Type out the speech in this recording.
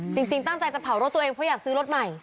จริงตั้งใจจะเผารถตัวเองเพราะอยากซื้อรถใหม่